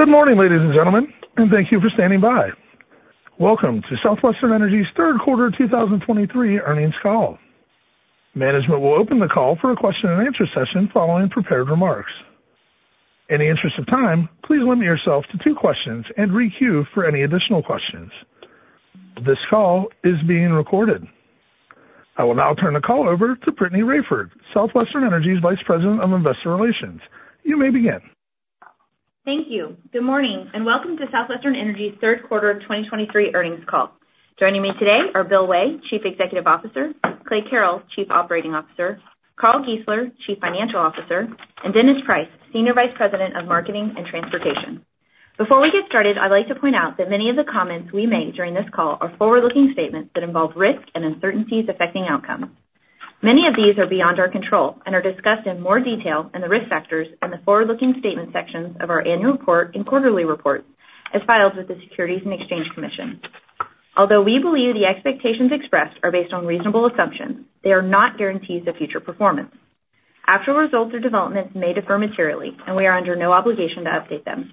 Good morning, ladies and gentlemen, and thank you for standing by. Welcome to Southwestern Energy's third quarter of 2023 earnings call. Management will open the call for a question-and-answer session following prepared remarks. In the interest of time, please limit yourself to two questions and re-queue for any additional questions. This call is being recorded. I will now turn the call over to Brittany Raiford, Southwestern Energy's Vice President of Investor Relations. You may begin. Thank you. Good morning, and welcome to Southwestern Energy's third quarter of 2023 earnings call. Joining me today are Bill Way, Chief Executive Officer, Clay Carrell, Chief Operating Officer, Carl Giesler, Chief Financial Officer, and Dennis Price, Senior Vice President of Marketing and Transportation. Before we get started, I'd like to point out that many of the comments we make during this call are forward-looking statements that involve risks and uncertainties affecting outcomes. Many of these are beyond our control and are discussed in more detail in the risk factors and the forward-looking statement sections of our annual report and quarterly report, as filed with the Securities and Exchange Commission. Although we believe the expectations expressed are based on reasonable assumptions, they are not guarantees of future performance. Actual results or developments may differ materially, and we are under no obligation to update them.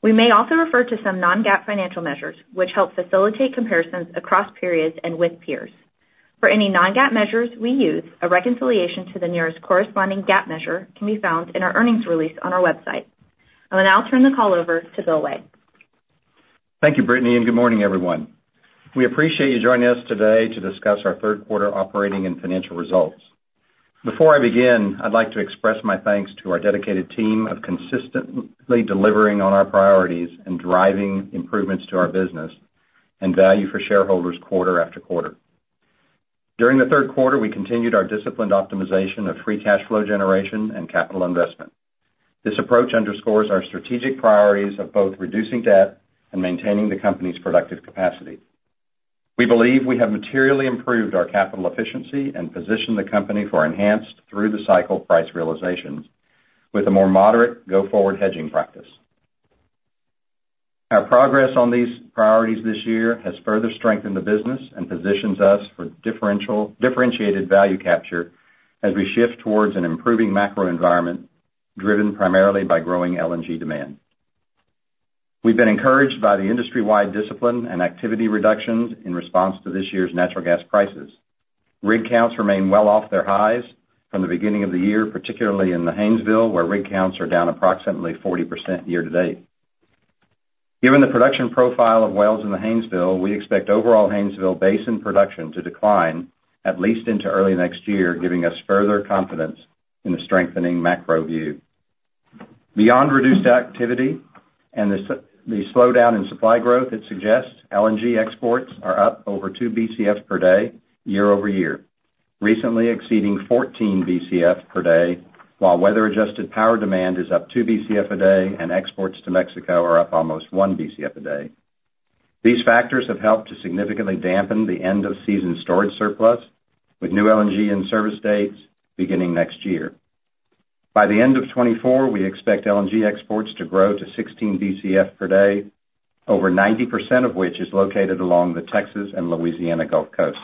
We may also refer to some non-GAAP financial measures, which help facilitate comparisons across periods and with peers. For any non-GAAP measures we use, a reconciliation to the nearest corresponding GAAP measure can be found in our earnings release on our website. I will now turn the call over to Bill Way. Thank you, Brittany, and good morning, everyone. We appreciate you joining us today to discuss our third quarter operating and financial results. Before I begin, I'd like to express my thanks to our dedicated team of consistently delivering on our priorities and driving improvements to our business and value for shareholders quarter-after-quarter. During the third quarter, we continued our disciplined optimization of free cash flow generation and capital investment. This approach underscores our strategic priorities of both reducing debt and maintaining the company's productive capacity. We believe we have materially improved our capital efficiency and positioned the company for enhanced through-the-cycle price realizations with a more moderate go-forward hedging practice. Our progress on these priorities this year has further strengthened the business and positions us for differentiated value capture as we shift towards an improving macro environment, driven primarily by growing LNG demand. We've been encouraged by the industry-wide discipline and activity reductions in response to this year's natural gas prices. Rig counts remain well off their highs from the beginning of the year, particularly in the Haynesville, where rig counts are down approximately 40% year to date. Given the production profile of wells in the Haynesville, we expect overall Haynesville basin production to decline at least into early next year, giving us further confidence in the strengthening macro view. Beyond reduced activity and the slowdown in supply growth, it suggests LNG exports are up over 2 Bcf per day year-over-year, recently exceeding 14 Bcf per day, while weather-adjusted power demand is up 2 Bcf a day and exports to Mexico are up almost 1 Bcf a day. These factors have helped to significantly dampen the end-of-season storage surplus, with new LNG in service dates beginning next year. By the end of 2024, we expect LNG exports to grow to 16 Bcf per day, over 90% of which is located along the Texas and Louisiana Gulf Coast.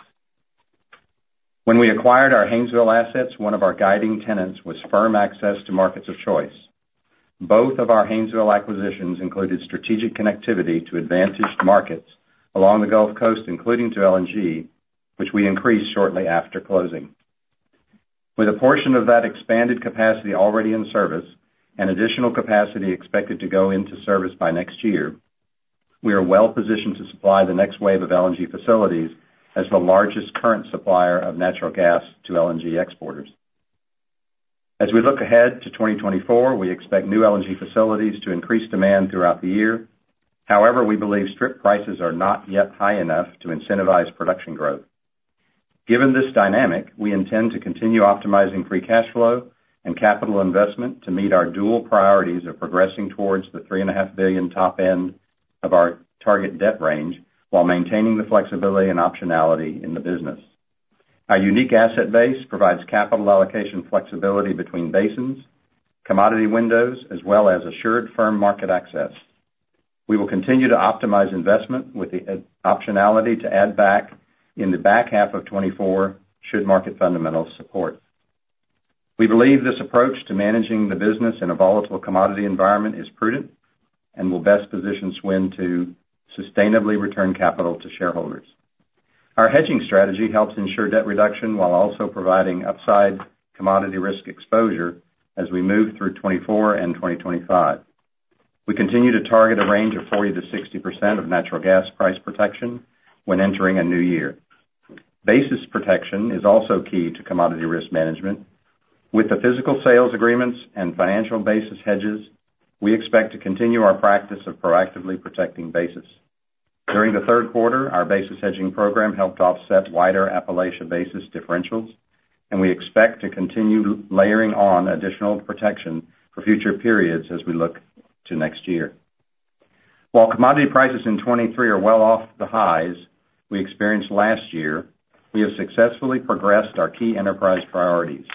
When we acquired our Haynesville assets, one of our guiding tenets was firm access to markets of choice. Both of our Haynesville acquisitions included strategic connectivity to advantaged markets along the Gulf Coast, including to LNG, which we increased shortly after closing. With a portion of that expanded capacity already in service and additional capacity expected to go into service by next year, we are well positioned to supply the next wave of LNG facilities as the largest current supplier of natural gas to LNG exporters. As we look ahead to 2024, we expect new LNG facilities to increase demand throughout the year. However, we believe strip prices are not yet high enough to incentivize production growth. Given this dynamic, we intend to continue optimizing free cash flow and capital investment to meet our dual priorities of progressing towards the $3.5 billion top end of our target debt range, while maintaining the flexibility and optionality in the business. Our unique asset base provides capital allocation flexibility between basins, commodity windows, as well as assured firm market access. We will continue to optimize investment with the optionality to add back in the back half of 2024, should market fundamentals support. We believe this approach to managing the business in a volatile commodity environment is prudent and will best position SWN to sustainably return capital to shareholders. Our hedging strategy helps ensure debt reduction while also providing upside commodity risk exposure as we move through 2024 and 2025. We continue to target a range of 40%-60% of natural gas price protection when entering a new year. Basis protection is also key to commodity risk management. With the physical sales agreements and financial basis hedges, we expect to continue our practice of proactively protecting basis. During the third quarter, our basis hedging program helped offset wider Appalachia basis differentials, and we expect to continue layering on additional protection for future periods as we look to next year. While commodity prices in 2023 are well off the highs we experienced last year, we have successfully progressed our key enterprise priorities.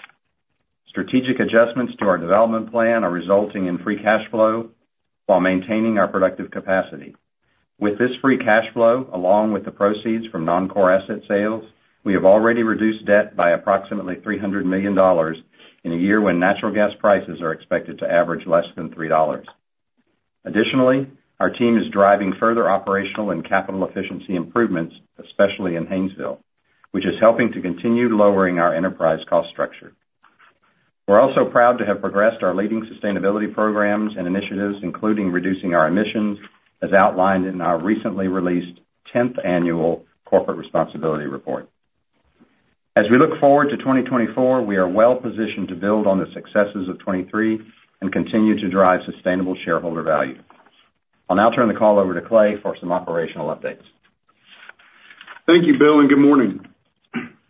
Strategic adjustments to our development plan are resulting in free cash flow while maintaining our productive capacity. With this free cash flow, along with the proceeds from non-core asset sales, we have already reduced debt by approximately $300 million in a year when natural gas prices are expected to average less than $3. Additionally, our team is driving further operational and capital efficiency improvements, especially in Haynesville, which is helping to continue lowering our enterprise cost structure. We're also proud to have progressed our leading sustainability programs and initiatives, including reducing our emissions, as outlined in our recently released 10th annual Corporate Responsibility Report. As we look forward to 2024, we are well positioned to build on the successes of 2023 and continue to drive sustainable shareholder value. I'll now turn the call over to Clay for some operational updates. Thank you, Bill, and good morning.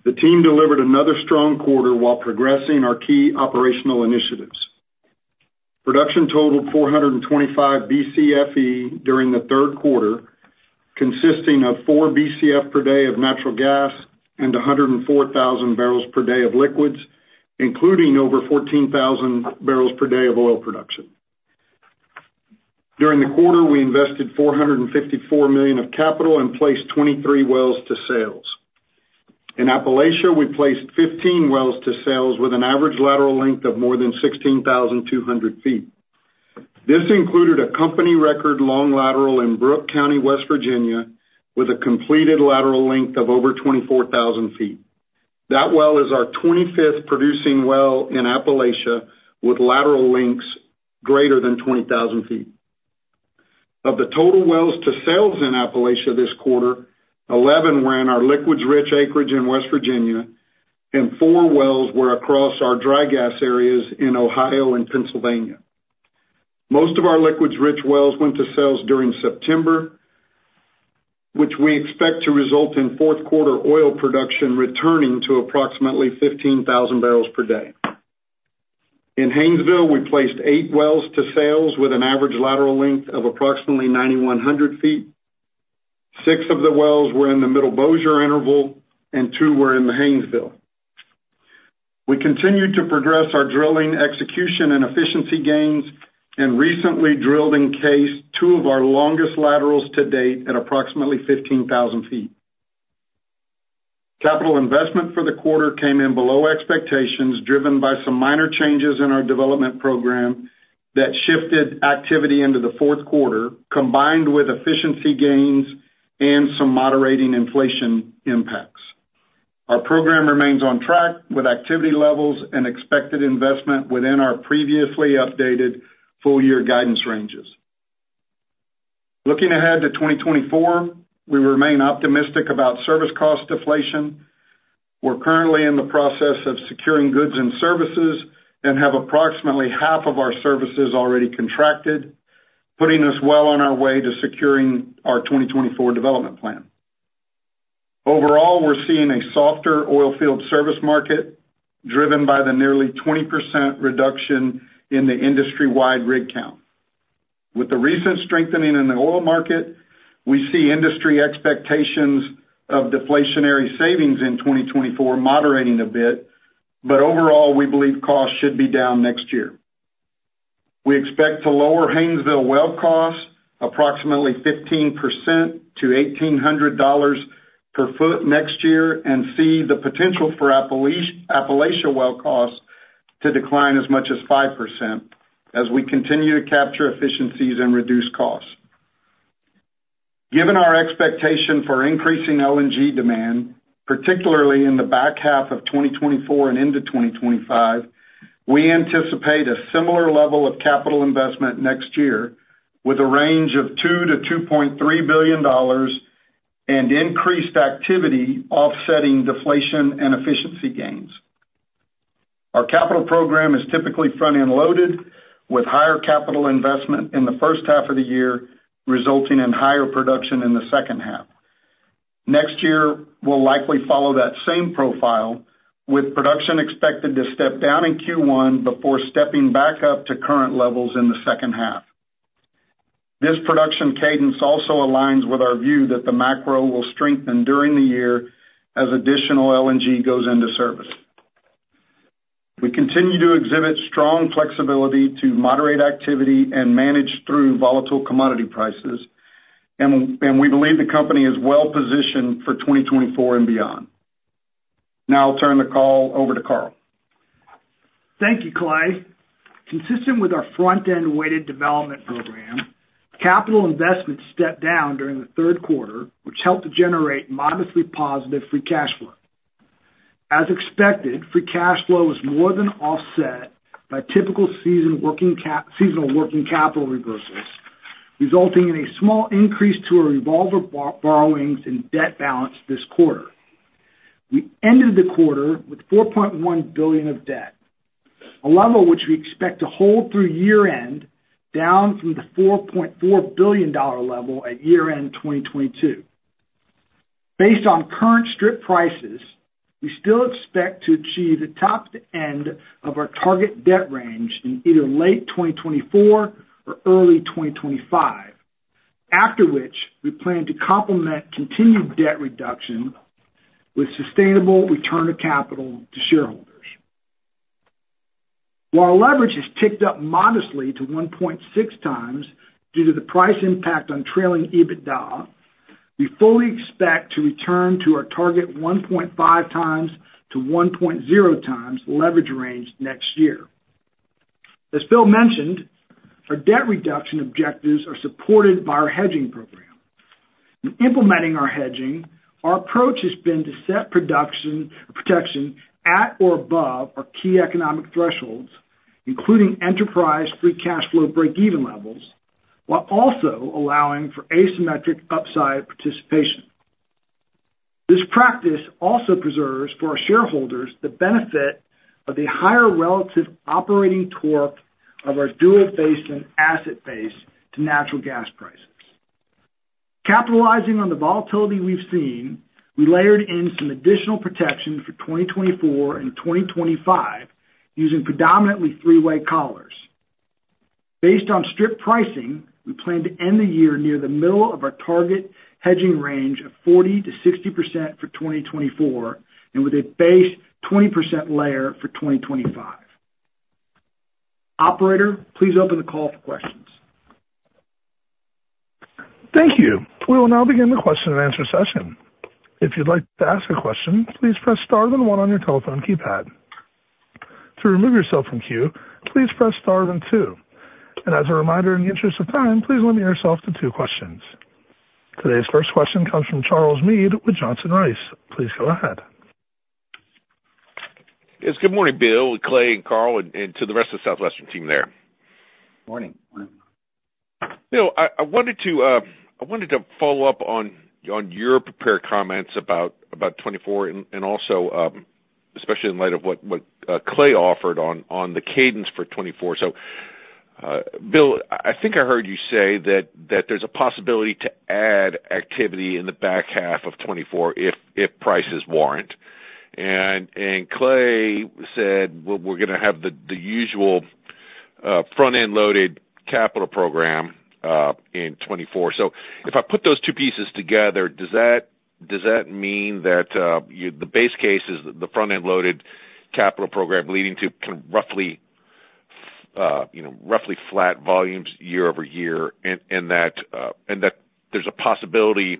The team delivered another strong quarter while progressing our key operational initiatives. Production totaled 425 Bcfe during the third quarter, consisting of 4 Bcf per day of natural gas and 104,000 barrels per day of liquids, including over 14,000 barrels per day of oil production. During the quarter, we invested $454 million of capital and placed 23 wells to sales. In Appalachia, we placed 15 wells to sales with an average lateral length of more than 16,200 feet. This included a company record long lateral in Brooke County, West Virginia, with a completed lateral length of over 24,000 feet. That well is our 25th producing well in Appalachia, with lateral lengths greater than 20,000 feet. Of the total wells to sales in Appalachia this quarter, 11 were in our liquids-rich acreage in West Virginia, and 4 wells were across our dry gas areas in Ohio and Pennsylvania. Most of our liquids-rich wells went to sales during September, which we expect to result in fourth quarter oil production returning to approximately 15,000 barrels per day. In Haynesville, we placed 8 wells to sales with an average lateral length of approximately 9,100 feet. Six of the wells were in the Middle Bossier Interval, and two were in the Haynesville. We continued to progress our drilling, execution, and efficiency gains and recently drilled and cased two of our longest laterals to date at approximately 15,000 feet. Capital investment for the quarter came in below expectations, driven by some minor changes in our development program that shifted activity into the fourth quarter, combined with efficiency gains and some moderating inflation impacts. Our program remains on track with activity levels and expected investment within our previously updated full-year guidance ranges. Looking ahead to 2024, we remain optimistic about service cost deflation. We're currently in the process of securing goods and services and have approximately half of our services already contracted, putting us well on our way to securing our 2024 development plan. Overall, we're seeing a softer oil field service market, driven by the nearly 20% reduction in the industry-wide rig count. With the recent strengthening in the oil market, we see industry expectations of deflationary savings in 2024 moderating a bit, but overall, we believe costs should be down next year. We expect to lower Haynesville well costs approximately 15% to $1,800 per foot next year and see the potential for Appalachia, Appalachia well costs to decline as much as 5% as we continue to capture efficiencies and reduce costs. Given our expectation for increasing LNG demand, particularly in the back half of 2024 and into 2025, we anticipate a similar level of capital investment next year with a range of $2 billion-$2.3 billion and increased activity offsetting deflation and efficiency gains. Our capital program is typically front-end loaded, with higher capital investment in the first half of the year, resulting in higher production in the second half. Next year will likely follow that same profile, with production expected to step down in Q1 before stepping back up to current levels in the second half. This production cadence also aligns with our view that the macro will strengthen during the year as additional LNG goes into service. We continue to exhibit strong flexibility to moderate activity and manage through volatile commodity prices, and we believe the company is well positioned for 2024 and beyond. Now I'll turn the call over to Carl. Thank you, Clay. Consistent with our front-end weighted development program, capital investment stepped down during the third quarter, which helped to generate modestly positive free cash flow. As expected, free cash flow was more than offset by typical seasonal working capital reversals, resulting in a small increase to our revolver borrowings and debt balance this quarter. We ended the quarter with $4.1 billion of debt, a level which we expect to hold through year-end, down from the $4.4 billion level at year-end 2022. Based on current strip prices, we still expect to achieve the top end of our target debt range in either late 2024 or early 2025, after which we plan to complement continued debt reduction with sustainable return of capital to shareholders.... While our leverage has ticked up modestly to 1.6x due to the price impact on trailing EBITDA, we fully expect to return to our target 1.5x-1.0x leverage range next year. As Bill mentioned, our debt reduction objectives are supported by our hedging program. In implementing our hedging, our approach has been to set production protection at or above our key economic thresholds, including enterprise free cash flow break-even levels, while also allowing for asymmetric upside participation. This practice also preserves, for our shareholders, the benefit of the higher relative operating torque of our dual basin asset base to natural gas prices. Capitalizing on the volatility we've seen, we layered in some additional protection for 2024 and 2025, using predominantly three-way collars. Based on strip pricing, we plan to end the year near the middle of our target hedging range of 40%-60% for 2024, and with a base 20% layer for 2025. Operator, please open the call for questions. Thank you. We will now begin the question and answer session. If you'd like to ask a question, please press star then one on your telephone keypad. To remove yourself from queue, please press star then two. As a reminder, in the interest of time, please limit yourself to two questions. Today's first question comes from Charles Meade with Johnson Rice. Please go ahead. Yes, good morning, Bill, Clay, and Carl, and to the rest of the Southwestern team there. Morning. Bill, I wanted to follow up on your prepared comments about 2024 and also especially in light of what Clay offered on the cadence for 2024. So, Bill, I think I heard you say that there's a possibility to add activity in the back half of 2024 if prices warrant. And Clay said, Well, we're gonna have the usual front-end loaded capital program in 2024. So if I put those two pieces together, does that mean that the base case is the front-end loaded capital program leading to kind of roughly, you know, roughly flat volumes year-over-year, and that there's a possibility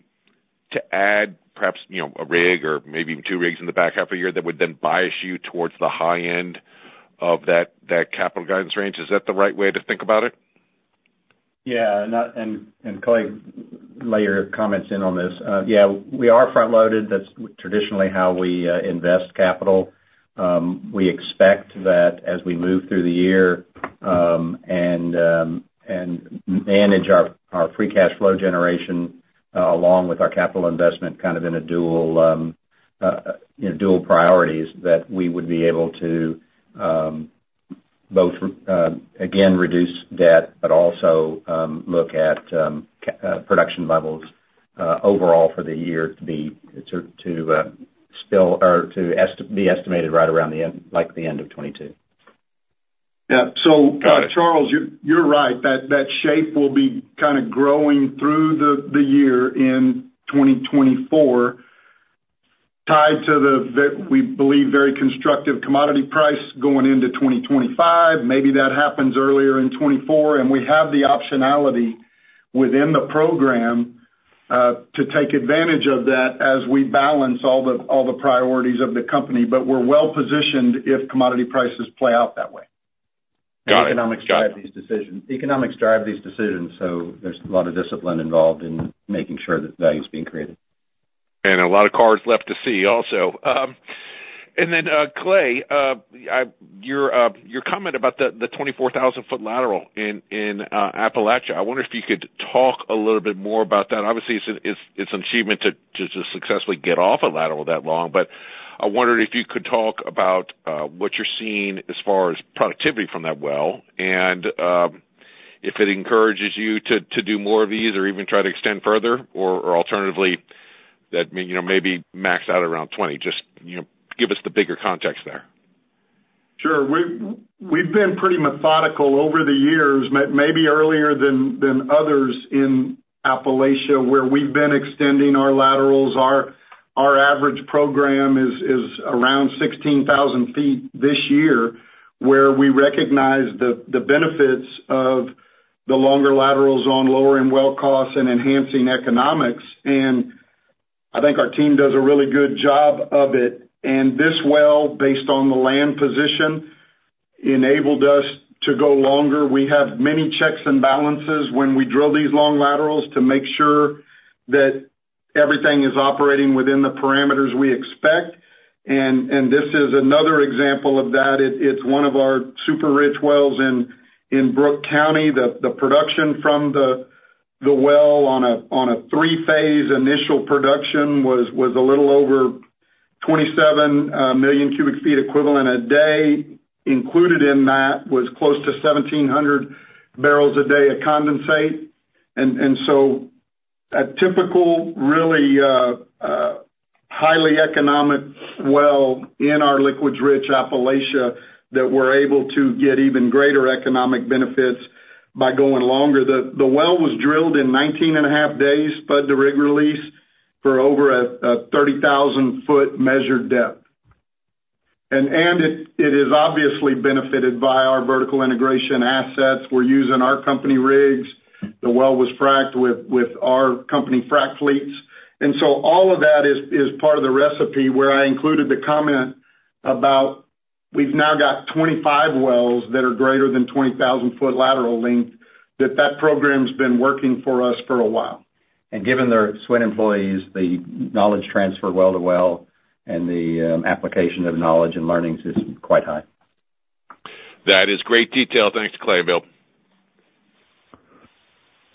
to add perhaps, you know, a rig or maybe two rigs in the back half of the year that would then bias you towards the high end of that capital guidance range? Is that the right way to think about it? Yeah, and, and, and Clay, layer your comments in on this. Yeah, we are front-loaded. That's traditionally how we invest capital. We expect that as we move through the year, and manage our free cash flow generation along with our capital investment, kind of in a dual, you know, dual priorities, that we would be able to both, again, reduce debt, but also look at production levels overall for the year to be, to spill or to est- be estimated right around the end, like, the end of 2022. Yeah. So Charles, you're right. That shape will be kind of growing through the year in 2024, tied to the, we believe, very constructive commodity price going into 2025. Maybe that happens earlier in 2024, and we have the optionality within the program to take advantage of that as we balance all the priorities of the company. But we're well positioned if commodity prices play out that way. Got it. Economics drive these decisions. Economics drive these decisions, so there's a lot of discipline involved in making sure that value is being created. A lot of cards left to see also. And then, Clay, your comment about the 24,000-foot lateral in Appalachia. I wonder if you could talk a little bit more about that. Obviously, it's an achievement to successfully get off a lateral that long, but I wondered if you could talk about what you're seeing as far as productivity from that well, and if it encourages you to do more of these or even try to extend further, or alternatively, you know, maybe max out around 20. Just, you know, give us the bigger context there. Sure. We've been pretty methodical over the years, maybe earlier than others in Appalachia, where we've been extending our laterals. Our average program is around 16,000 feet this year, where we recognize the benefits of the longer laterals on lowering well costs and enhancing economics, and I think our team does a really good job of it. And this well, based on the land position, enabled us to go longer. We have many checks and balances when we drill these long laterals to make sure that everything is operating within the parameters we expect, and this is another example of that. It's one of our super rich wells in Brooke County. The production from the well on a three-phase initial production was a little over 27 million cubic feet equivalent a day. Included in that was close to 1,700 barrels a day of condensate. So a typical, really, highly economic well in our liquids-rich Appalachia that we're able to get even greater economic benefits by going longer. The well was drilled in 19.5 days, spud to rig release for over a 30,000-foot measured depth. And it is obviously benefited by our vertical integration assets. We're using our company rigs. The well was fraced with our company frac fleets. And so all of that is part of the recipe where I included the comment about we've now got 25 wells that are greater than 20,000-foot lateral length, that program's been working for us for a while. Given their SWN employees, the knowledge transfer well to well, and the application of knowledge and learnings is quite high. That is great detail. Thanks, Clay and Bill.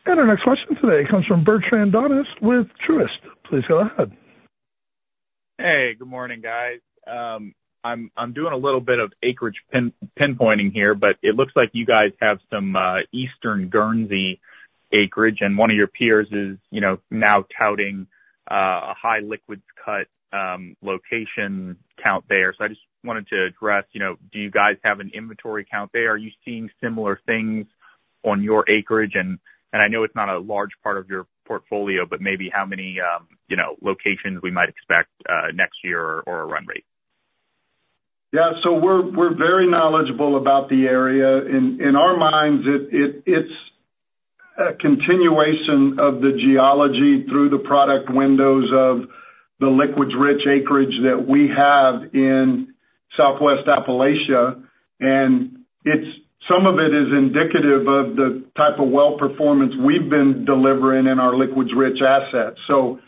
Our next question today comes from Bertrand Donnes with Truist. Please go ahead. Hey, good morning, guys. I'm doing a little bit of acreage pinpointing here, but it looks like you guys have some Eastern Guernsey acreage, and one of your peers is, you know, now touting a high liquids cut location count there. So I just wanted to address, you know, do you guys have an inventory count there? Are you seeing similar things on your acreage? And I know it's not a large part of your portfolio, but maybe how many, you know, locations we might expect next year or a run rate? Yeah. So we're very knowledgeable about the area. In our minds, it's a continuation of the geology through the product windows of the liquids-rich acreage that we have in Southwest Appalachia, and some of it is indicative of the type of well performance we've been delivering in our liquids-rich assets. So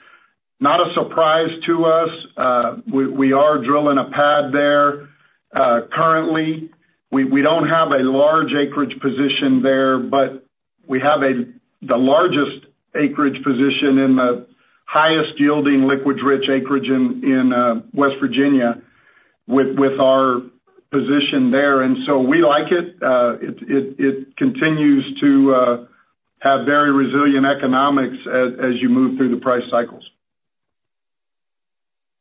not a surprise to us. We are drilling a pad there. Currently, we don't have a large acreage position there, but we have the largest acreage position in the highest yielding liquids-rich acreage in West Virginia with our position there, and so we like it. It continues to have very resilient economics as you move through the price cycles.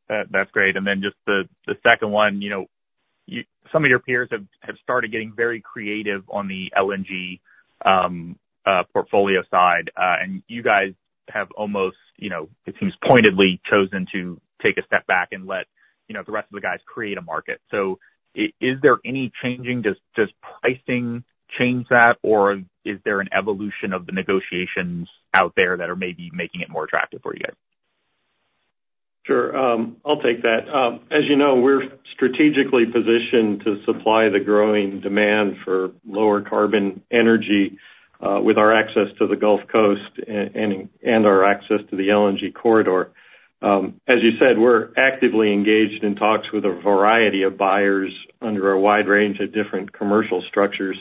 That, that's great. And then just the second one, you know, you some of your peers have started getting very creative on the LNG portfolio side, and you guys have almost, you know, it seems pointedly chosen to take a step back and let, you know, the rest of the guys create a market. So is there any changing? Does pricing change that, or is there an evolution of the negotiations out there that are maybe making it more attractive for you guys? Sure. I'll take that. As you know, we're strategically positioned to supply the growing demand for lower carbon energy, with our access to the Gulf Coast and our access to the LNG corridor. As you said, we're actively engaged in talks with a variety of buyers under a wide range of different commercial structures.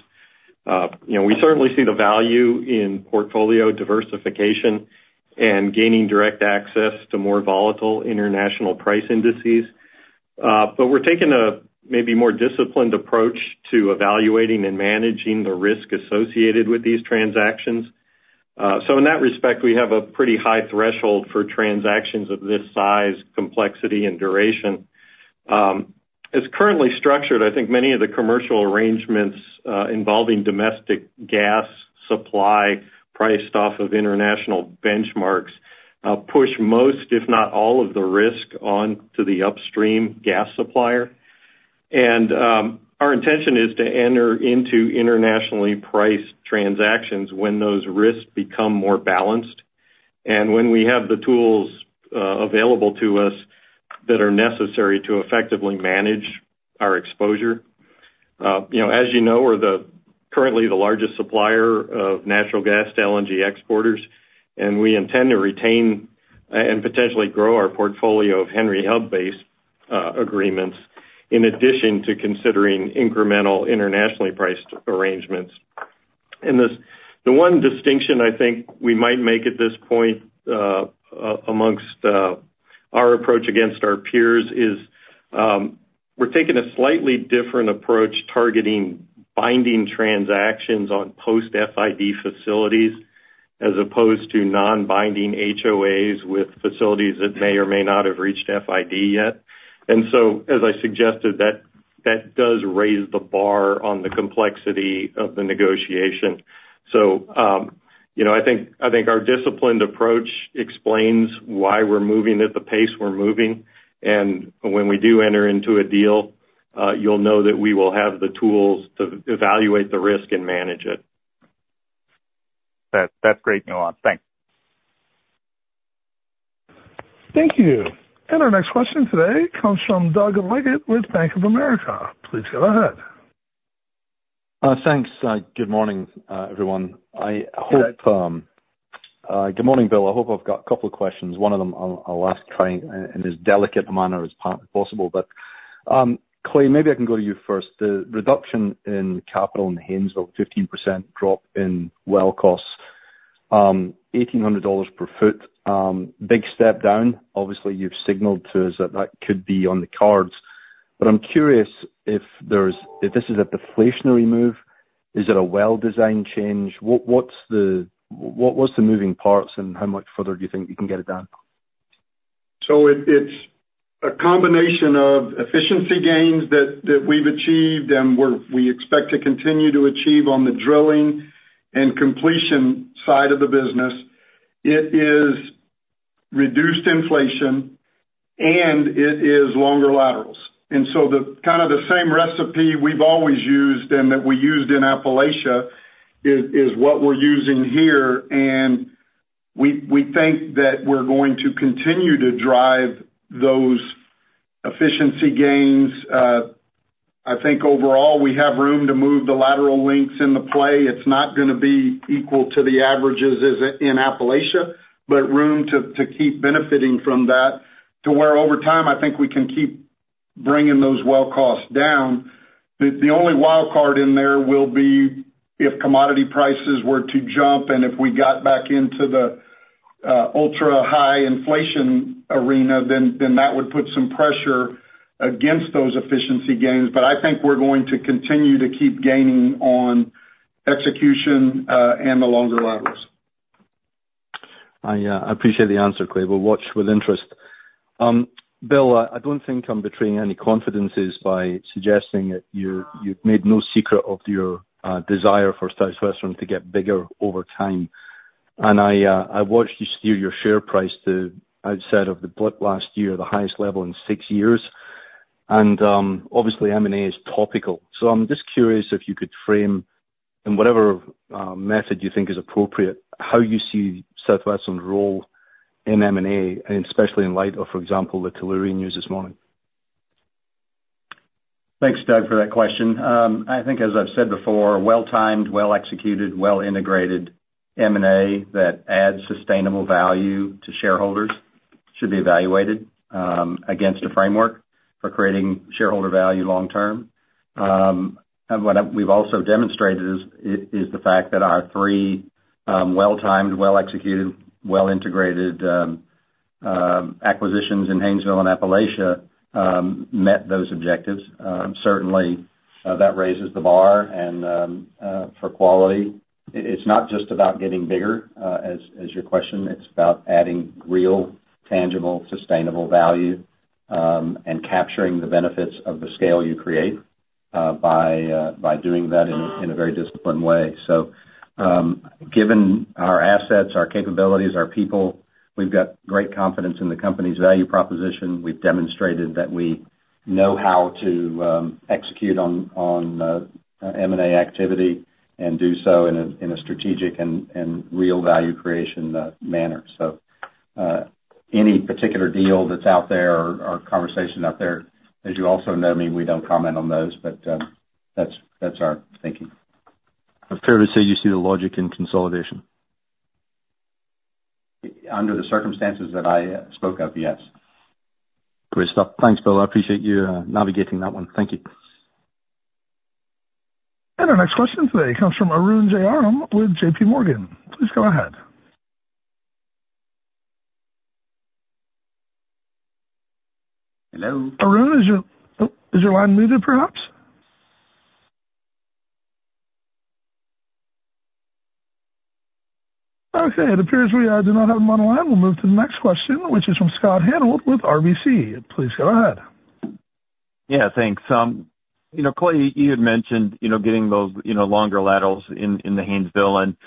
You know, we certainly see the value in portfolio diversification and gaining direct access to more volatile international price indices, but we're taking a maybe more disciplined approach to evaluating and managing the risk associated with these transactions. So in that respect, we have a pretty high threshold for transactions of this size, complexity, and duration. As currently structured, I think many of the commercial arrangements involving domestic gas supply priced off of international benchmarks push most, if not all, of the risk onto the upstream gas supplier. Our intention is to enter into internationally priced transactions when those risks become more balanced and when we have the tools available to us that are necessary to effectively manage our exposure. You know, as you know, we're currently the largest supplier of natural gas to LNG exporters, and we intend to retain and potentially grow our portfolio of Henry Hub-based agreements, in addition to considering incremental internationally priced arrangements. This, the one distinction I think we might make at this point, amongst our approach against our peers is, we're taking a slightly different approach, targeting binding transactions on post-FID facilities, as opposed to non-binding HOAs with facilities that may or may not have reached FID yet. And so, as I suggested, that does raise the bar on the complexity of the negotiation. So, you know, I think our disciplined approach explains why we're moving at the pace we're moving. And when we do enter into a deal, you'll know that we will have the tools to evaluate the risk and manage it. That, that's great, color. Thanks. Thank you. Our next question today comes from Doug Leggate with Bank of America. Please go ahead. Thanks. Good morning, everyone. I hope good morning, Bill. I hope I've got a couple of questions. One of them I'll ask trying in as delicate a manner as possible, but, Clay, maybe I can go to you first. The reduction in capital in the Haynesville, 15% drop in well costs, $1,800 per foot, big step down. Obviously, you've signaled to us that that could be on the cards, but I'm curious if this is a deflationary move? Is it a well design change? What are the moving parts, and how much further do you think you can get it down?... a combination of efficiency gains that we've achieved and we expect to continue to achieve on the drilling and completion side of the business. It is reduced inflation, and it is longer laterals. And so the kind of the same recipe we've always used and that we used in Appalachia is what we're using here, and we think that we're going to continue to drive those efficiency gains. I think overall, we have room to move the lateral lengths in the play. It's not gonna be equal to the averages as in Appalachia, but room to keep benefiting from that, to where over time, I think we can keep bringing those well costs down. The only wild card in there will be if commodity prices were to jump, and if we got back into the ultra-high inflation arena, then that would put some pressure against those efficiency gains. But I think we're going to continue to keep gaining on execution, and the longer laterals. I appreciate the answer, Clay. We'll watch with interest. Bill, I don't think I'm betraying any confidences by suggesting that you, you've made no secret of your desire for Southwestern to get bigger over time. And I watched you steer your share price to, outside of the blip last year, the highest level in six years. And, obviously, M&A is topical. So I'm just curious if you could frame, in whatever method you think is appropriate, how you see Southwestern's role in M&A, and especially in light of, for example, the Tellurian news this morning? Thanks, Doug, for that question. I think as I've said before, well-timed, well-executed, well-integrated M&A that adds sustainable value to shareholders should be evaluated against a framework for creating shareholder value long term. And what we've also demonstrated is the fact that our three well-timed, well-executed, well-integrated acquisitions in Haynesville and Appalachia met those objectives. Certainly, that raises the bar and for quality. It's not just about getting bigger, as your question, it's about adding real, tangible, sustainable value and capturing the benefits of the scale you create by doing that in a very disciplined way. So, given our assets, our capabilities, our people, we've got great confidence in the company's value proposition. We've demonstrated that we know how to execute on M&A activity and do so in a strategic and real value creation manner. So, any particular deal that's out there or conversation out there, as you also know me, we don't comment on those, but, that's our thinking. it fair to say you see the logic in consolidation? Under the circumstances that I spoke of, yes. Great stuff. Thanks, Bill. I appreciate you navigating that one. Thank you. Our next question today comes from Arun Jayaram with JPMorgan. Please go ahead. Hello? Arun, oh, is your line muted, perhaps? Okay, it appears we do not have him on the line. We'll move to the next question, which is from Scott Hanold with RBC. Please go ahead. Yeah, thanks. You know, Clay, you had mentioned, you know, getting those, you know, longer laterals in the Haynesville, and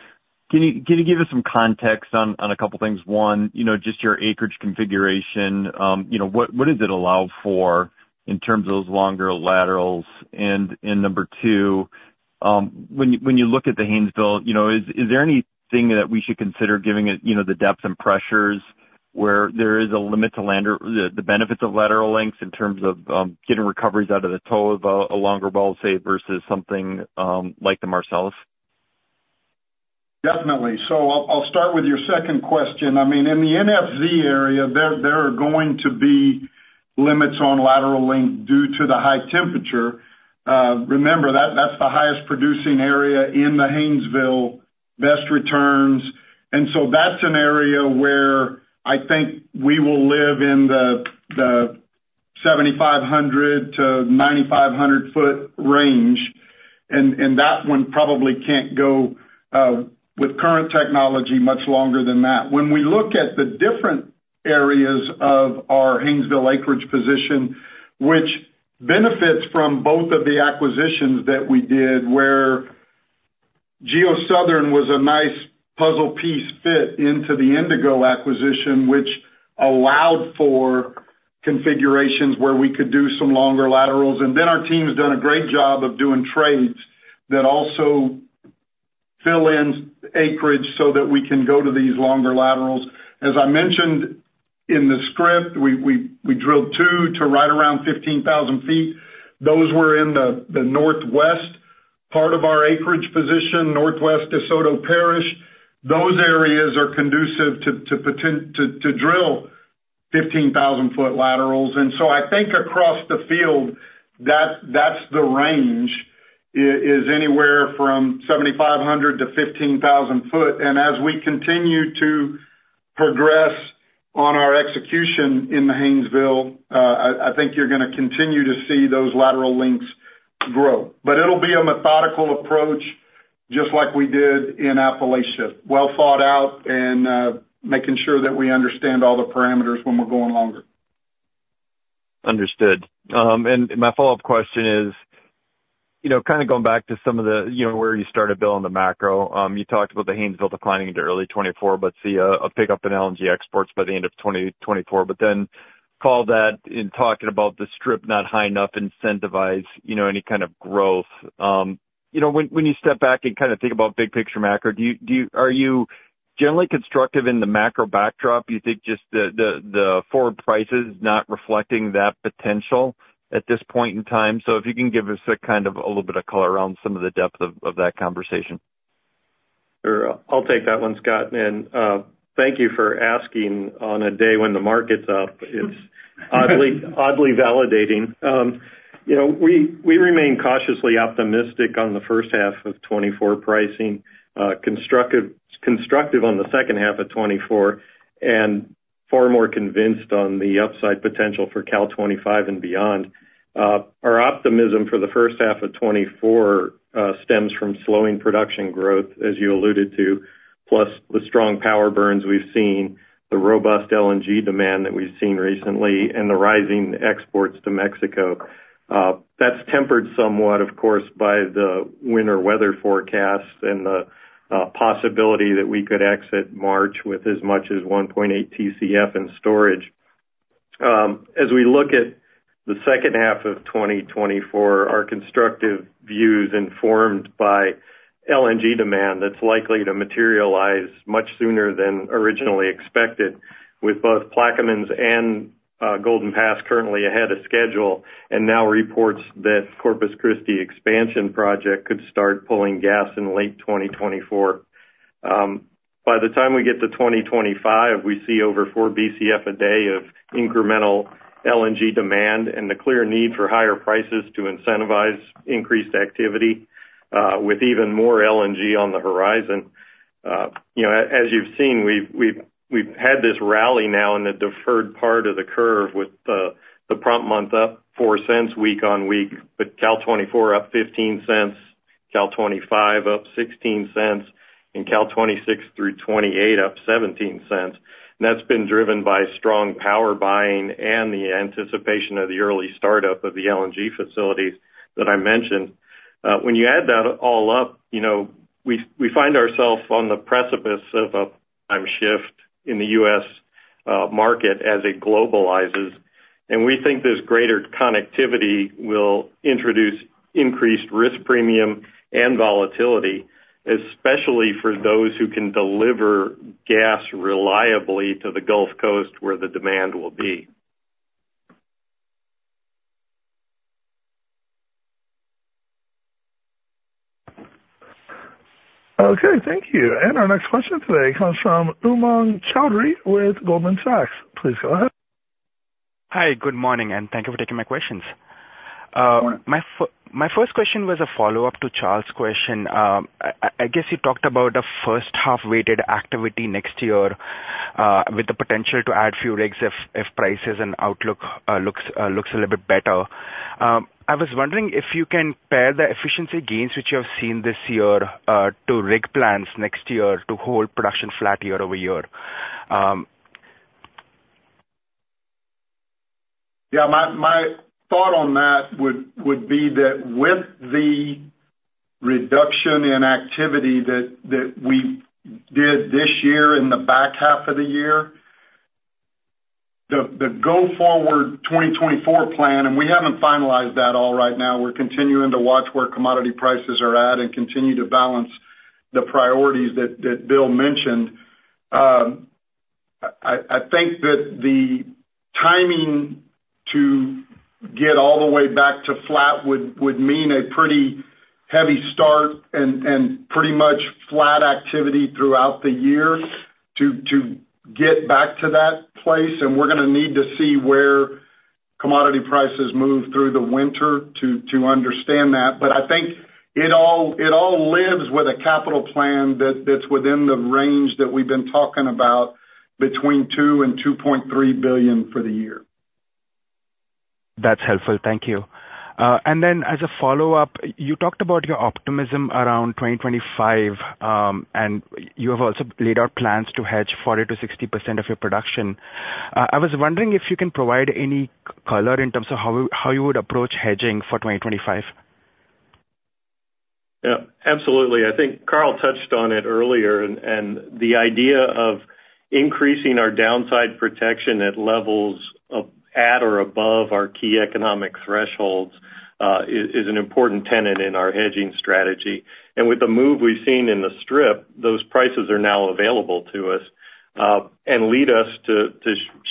can you give us some context on a couple of things? One, you know, just your acreage configuration, you know, what does it allow for in terms of those longer laterals? And number two, when you look at the Haynesville, you know, is there anything that we should consider given the depth and pressures, where there is a limit to the benefits of lateral lengths in terms of getting recoveries out of the toe of a longer well, say, versus something like the Marcellus? Definitely. So I'll start with your second question. I mean, in the NFZ area, there are going to be limits on lateral length due to the high temperature. Remember, that's the highest producing area in the Haynesville, best returns. And so that's an area where I think we will live in the 7,500-9,500 foot range, and that one probably can't go with current technology much longer than that. When we look at the different areas of our Haynesville acreage position, which benefits from both of the acquisitions that we did, where GeoSouthern was a nice puzzle piece fit into the Indigo acquisition, which allowed for configurations where we could do some longer laterals. And then, our team's done a great job of doing trades that also fill in acreage so that we can go to these longer laterals. As I mentioned in the script, we drilled two to right around 15,000 feet. Those were in the northwest part of our acreage position, northwest DeSoto Parish. Those areas are conducive to potentially drill 15,000-foot laterals. And so I think across the field, that's the range is anywhere from 7,500 to 15,000 foot. And as we continue to progress on our execution in the Haynesville, I think you're gonna continue to see those lateral lengths grow. But it'll be a methodical approach, just like we did in Appalachia, well thought out and making sure that we understand all the parameters when we're going longer. Understood. And my follow-up question is, you know, kind of going back to some of the, you know, where you started, Bill, on the macro. You talked about the Haynesville declining into early 2024, but see a pickup in LNG exports by the end of 2024, but then call that in talking about the strip not high enough, incentivize, you know, any kind of growth. You know, when you step back and kind of think about big picture macro, do you are you generally constructive in the macro backdrop? Do you think just the forward price is not reflecting that potential at this point in time? So if you can give us a kind of, a little bit of color around some of the depth of that conversation. Sure. I'll take that one, Scott, and thank you for asking on a day when the market's up. It's oddly validating. You know, we remain cautiously optimistic on the first half of 2024 pricing, constructive on the second half of 2024, and far more convinced on the upside potential for Cal 2025 and beyond. Our optimism for the first half of 2024 stems from slowing production growth, as you alluded to, plus the strong power burns we've seen, the robust LNG demand that we've seen recently, and the rising exports to Mexico. That's tempered somewhat, of course, by the winter weather forecast and the possibility that we could exit March with as much as 1.8 Tcf in storage. As we look at the second half of 2024, our constructive view is informed by LNG demand that's likely to materialize much sooner than originally expected, with both Plaquemines and Golden Pass currently ahead of schedule, and now reports that Corpus Christi expansion project could start pulling gas in late 2024. By the time we get to 2025, we see over 4 Bcf a day of incremental LNG demand and the clear need for higher prices to incentivize increased activity, with even more LNG on the horizon. You know, as you've seen, we've had this rally now in the deferred part of the curve with the prompt month up 4 cents week-on-week, with Cal 2024 up 15 cents, Cal 2025 up 16 cents, and Cal 2026 through 2028 up 17 cents. That's been driven by strong power buying and the anticipation of the early startup of the LNG facilities that I mentioned. When you add that all up, you know, we find ourselves on the precipice of a paradigm shift in the U.S. market as it globalizes, and we think this greater connectivity will introduce increased risk premium and volatility, especially for those who can deliver gas reliably to the Gulf Coast, where the demand will be. Okay. Thank you. Our next question today comes from Umang Choudhary with Goldman Sachs. Please go ahead. Hi. Good morning, and thank you for taking my questions. Good morning. My first question was a follow-up to Charles' question. I guess you talked about a first half weighted activity next year, with the potential to add few rigs if prices and outlook looks a little bit better. I was wondering if you can pair the efficiency gains which you have seen this year to rig plans next year to hold production flat year-over-year. Yeah, my thought on that would be that with the reduction in activity that we did this year in the back half of the year, the go forward 2024 plan, and we haven't finalized that yet right now, we're continuing to watch where commodity prices are at and continue to balance the priorities that Bill mentioned. I think that the timing to get all the way back to flat would mean a pretty heavy start and pretty much flat activity throughout the year to get back to that place, and we're gonna need to see where commodity prices move through the winter to understand that. But I think it all lives with a capital plan that's within the range that we've been talking about, between $2 billion and $2.3 billion for the year. That's helpful. Thank you. And then as a follow-up, you talked about your optimism around 2025, and you have also laid out plans to hedge 40%-60% of your production. I was wondering if you can provide any color in terms of how you would approach hedging for 2025? Yeah, absolutely. I think Carl touched on it earlier, and the idea of increasing our downside protection at levels of at or above our key economic thresholds is an important tenet in our hedging strategy. And with the move we've seen in the strip, those prices are now available to us, and lead us to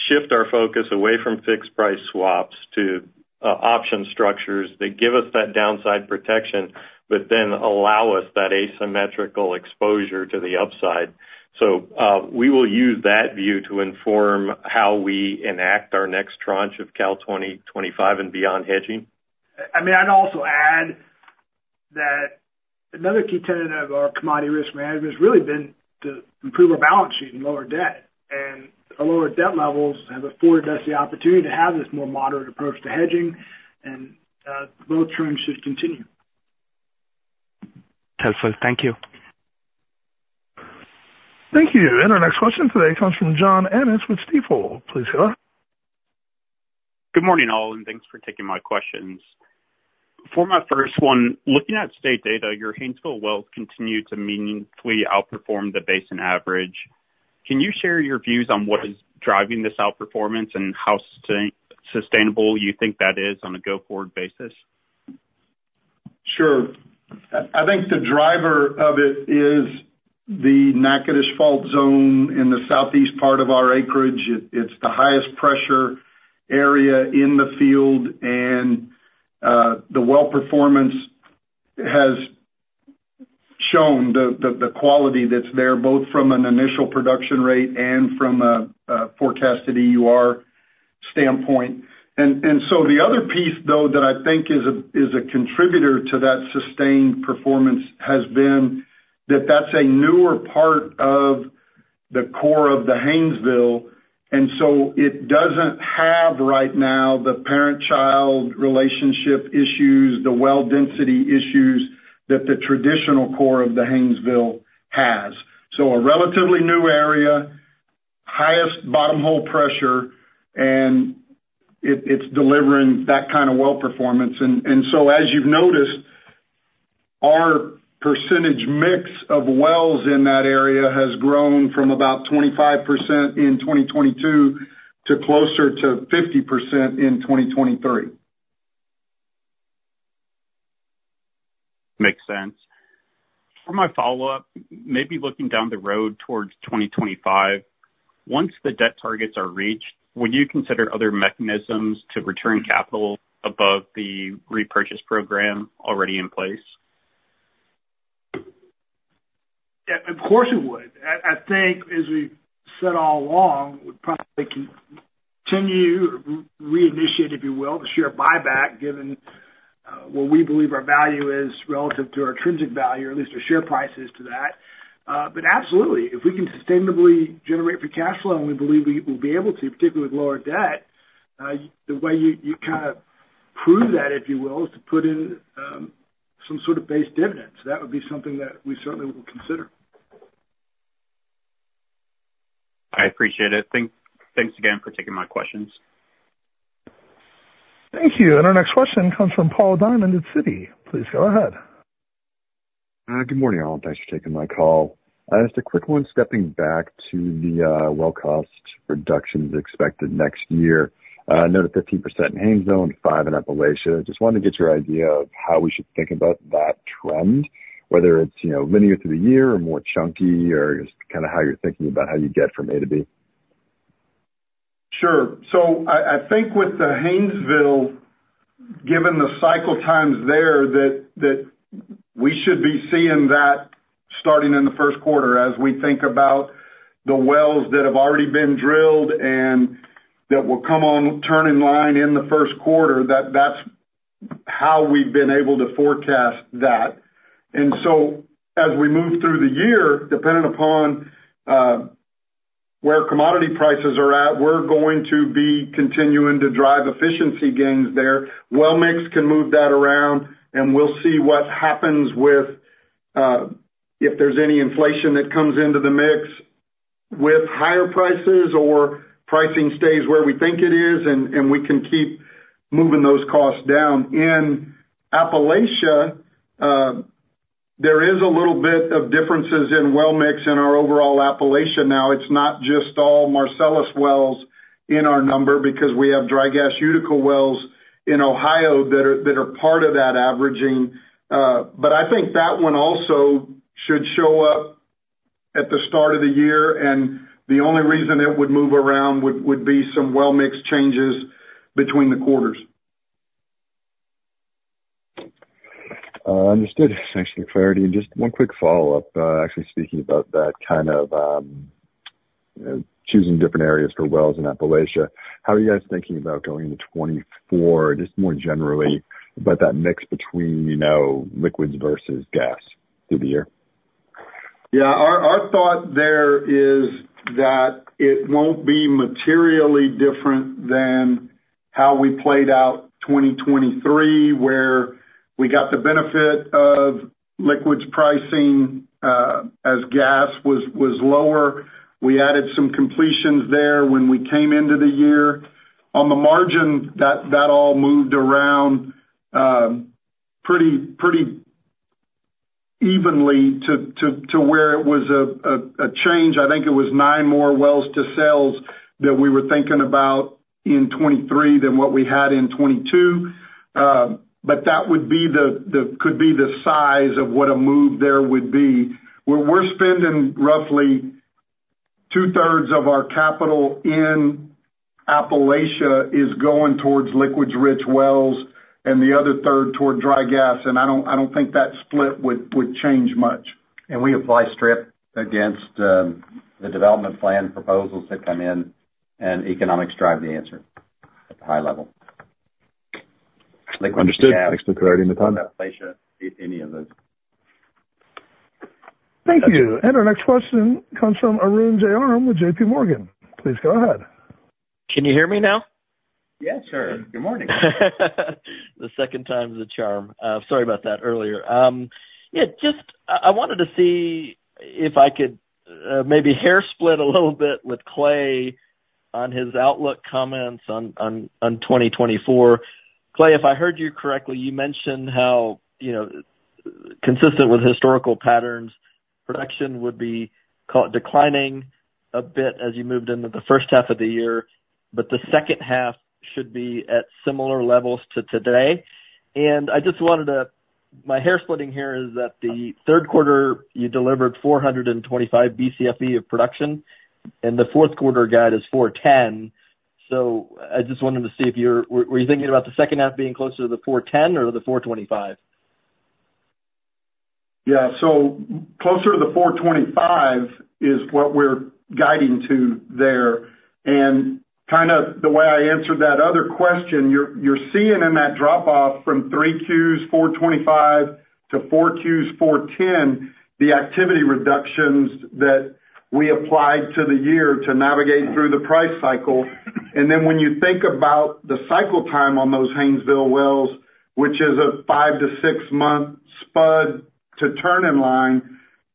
shift our focus away from fixed price swaps to option structures that give us that downside protection, but then allow us that asymmetrical exposure to the upside. So, we will use that view to inform how we enact our next tranche of Cal 2025 and beyond hedging. I mean, I'd also add that another key tenet of our commodity risk management has really been to improve our balance sheet and lower debt. Our lower debt levels have afforded us the opportunity to have this more moderate approach to hedging, and those trends should continue. Helpful. Thank you. Thank you. And our next question today comes from John Annis with Stifel. Please go ahead. Good morning, all, and thanks for taking my questions. For my first one, looking at state data, your Haynesville wells continue to meaningfully outperform the basin average. Can you share your views on what is driving this outperformance and how sustainable you think that is on a go-forward basis? Sure. I think the driver of it is the Natchitoches Fault Zone in the southeast part of our acreage. It's the highest pressure area in the field, and the well performance has shown the quality that's there, both from an initial production rate and from a forecasted EUR standpoint. And so the other piece, though, that I think is a contributor to that sustained performance has been that that's a newer part of the core of the Haynesville, and so it doesn't have right now the parent-child relationship issues, the well density issues that the traditional core of the Haynesville has. So a relatively new area, highest bottom hole pressure, and it's delivering that kind of well performance. As you've noticed, our percentage mix of wells in that area has grown from about 25% in 2022 to closer to 50% in 2023. Makes sense. For my follow-up, maybe looking down the road towards 2025, once the debt targets are reached, would you consider other mechanisms to return capital above the repurchase program already in place? Yeah, of course, we would. I think, as we've said all along, we'd probably continue, reinitiate, if you will, the share buyback, given what we believe our value is relative to our intrinsic value, or at least our share price is to that. But absolutely. If we can sustainably generate free cash flow, and we believe we will be able to, particularly with lower debt, the way you kind of prove that, if you will, is to put in some sort of base dividends. That would be something that we certainly would consider. I appreciate it. Thanks again for taking my questions. Thank you. Our next question comes from Paul Diamond at Citi. Please go ahead. Good morning, all. Thanks for taking my call. Just a quick one, stepping back to the well cost reductions expected next year. I noted 15% in Haynesville and 5% in Appalachia. Just wanted to get your idea of how we should think about that trend, whether it's, you know, linear through the year or more chunky, or just kind of how you're thinking about how you get from A to B. Sure. So I think with the Haynesville, given the cycle times there, that we should be seeing that starting in the first quarter as we think about the wells that have already been drilled and that will come on turn in line in the first quarter, that's how we've been able to forecast that. And so as we move through the year, dependent upon where commodity prices are at, we're going to be continuing to drive efficiency gains there. Well mix can move that around, and we'll see what happens with if there's any inflation that comes into the mix with higher prices or pricing stays where we think it is, and we can keep moving those costs down. In Appalachia, there is a little bit of differences in well mix in our overall Appalachia now. It's not just all Marcellus wells in our number, because we have dry gas Utica wells in Ohio that are part of that averaging. But I think that one also should show up at the start of the year, and the only reason it would move around would be some well mix changes between the quarters. Understood. Thanks for the clarity. Just one quick follow-up. Actually speaking about that kind of choosing different areas for wells in Appalachia. How are you guys thinking about going into 2024, just more generally, about that mix between, you know, liquids versus gas through the year? Yeah, our thought there is that it won't be materially different than how we played out 2023, where we got the benefit of liquids pricing, as gas was lower. We added some completions there when we came into the year. On the margin, that all moved around pretty evenly to where it was a change. I think it was 9 more wells to sell that we were thinking about in 2023 than what we had in 2022. But that would be the could be the size of what a move there would be. Where we're spending roughly 2/3 of our capital in Appalachia is going towards liquids-rich wells and the other third toward dry gas, and I don't think that split would change much. We apply strip against the development plan proposals that come in, and economics drive the answer.... at the high level. Understood. Thanks for clearing the time. My pleasure, if any of those. Thank you. Our next question comes from Arun Jayaram with JPMorgan. Please go ahead. Can you hear me now? Yes, sir. Good morning. The second time's the charm. Sorry about that earlier. Yeah, just I wanted to see if I could maybe hair split a little bit with Clay on his outlook comments on 2024. Clay, if I heard you correctly, you mentioned how, you know, consistent with historical patterns, production would be declining a bit as you moved into the first half of the year, but the second half should be at similar levels to today. And I just wanted to my hair splitting here is that the third quarter, you delivered 425 Bcfe of production, and the fourth quarter guide is 410. So I just wanted to see if you were you thinking about the second half being closer to the 410 or the 425? Yeah. So closer to the 425 is what we're guiding to there. And kind of the way I answered that other question, you're seeing in that drop off from 3Q's 425, to 4Q's 410, the activity reductions that we applied to the year to navigate through the price cycle. And then when you think about the cycle time on those Haynesville wells, which is a 5- to 6-month spud to turn in line,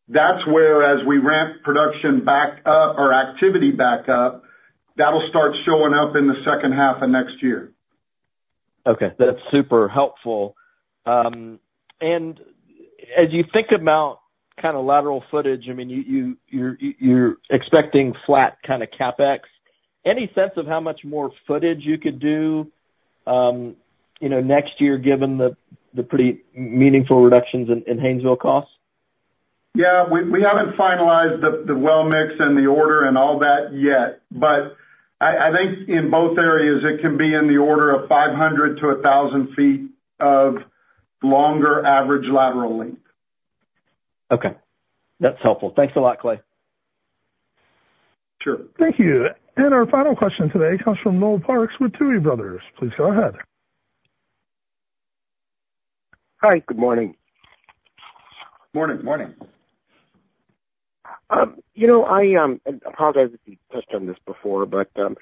that's where, as we ramp production back up or activity back up, that'll start showing up in the second half of next year. Okay, that's super helpful. And as you think about kind of lateral footage, I mean, you're expecting flat kind of CapEx. Any sense of how much more footage you could do, you know, next year, given the pretty meaningful reductions in Haynesville costs? Yeah, we haven't finalized the well mix and the order and all that yet, but I think in both areas, it can be in the order of 500-1,000 feet of longer average lateral length. Okay. That's helpful. Thanks a lot, Clay. Sure. Thank you. And our final question today comes from Noel Parks with Tuohy Brothers. Please go ahead. Hi, good morning. Morning, morning. You know, I apologize if you touched on this before, but I'm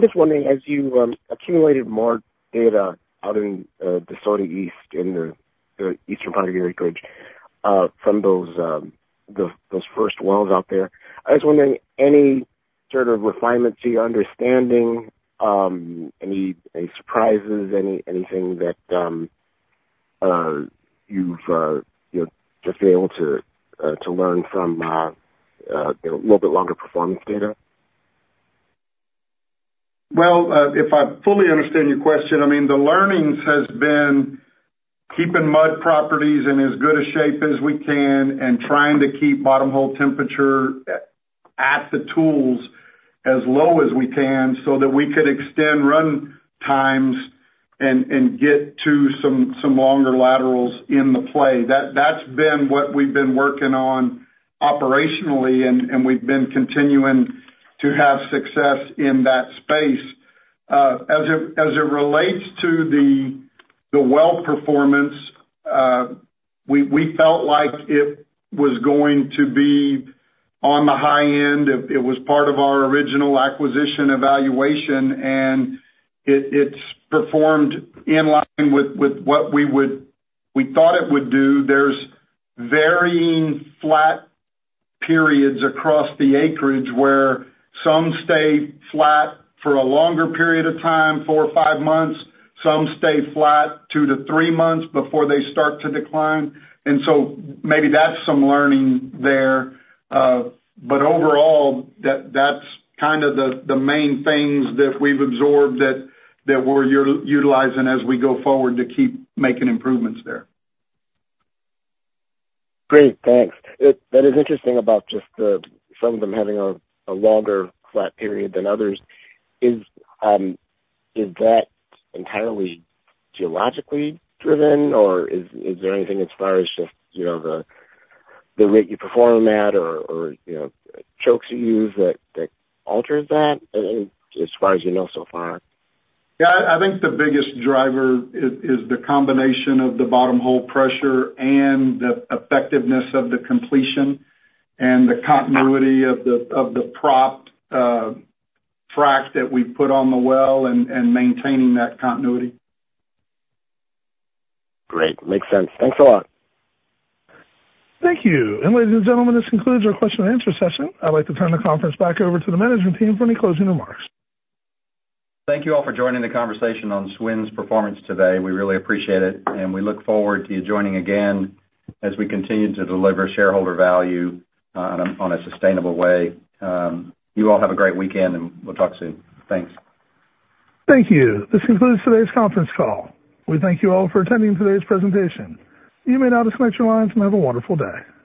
just wondering, as you accumulated more data out in the southeast, in the eastern part of the acreage, from those first wells out there, I was just wondering, any sort of refinement to your understanding, any surprises, anything that you've, you know, just been able to learn from a little bit longer performance data? Well, if I fully understand your question, I mean, the learnings has been keeping mud properties in as good a shape as we can and trying to keep bottom hole temperature at the tools as low as we can so that we could extend run times and get to some longer laterals in the play. That's been what we've been working on operationally, and we've been continuing to have success in that space. As it relates to the well performance, we felt like it was going to be on the high end. It was part of our original acquisition evaluation, and it's performed in line with what we would—we thought it would do. There's varying flat periods across the acreage where some stay flat for a longer period of time, 4 or 5 months, some stay flat 2-3 months before they start to decline, and so maybe that's some learning there. But overall, that's kind of the main things that we've absorbed that we're utilizing as we go forward to keep making improvements there. Great. Thanks. That is interesting about just the some of them having a longer flat period than others. Is, is that entirely geologically driven, or is there anything as far as just, you know, the rate you perform at or, you know, chokes you use that alters that, as far as you know so far? Yeah, I think the biggest driver is the combination of the bottom hole pressure and the effectiveness of the completion and the continuity of the propped frack that we put on the well and maintaining that continuity. Great. Makes sense. Thanks a lot. Thank you. Ladies and gentlemen, this concludes our question and answer session. I'd like to turn the conference back over to the management team for any closing remarks. Thank you all for joining the conversation on SWN's performance today. We really appreciate it, and we look forward to you joining again as we continue to deliver shareholder value on a sustainable way. You all have a great weekend, and we'll talk soon. Thanks. Thank you. This concludes today's conference call. We thank you all for attending today's presentation. You may now disconnect your lines and have a wonderful day.